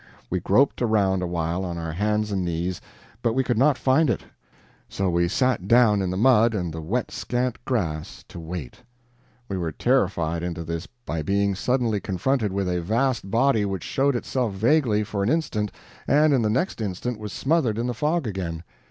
We groped around a while on our hands and knees, but we could not find it; so we sat down in the mud and the wet scant grass to wait. We were terrified into this by being suddenly confronted with a vast body which showed itself vaguely for an instant and in the next instant was smothered in the fog again.